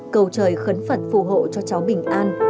cầu trời khấn phật phù hộ cho cháu bình an